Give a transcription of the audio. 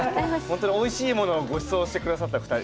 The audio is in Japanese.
ほんとにおいしいものをごちそうして下さった２人。